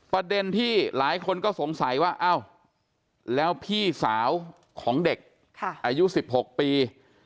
ประเด็นที่หลายคนก็สงสัยว่าอ้าวแล้วพี่สาวของเด็กอายุ๑๖ปี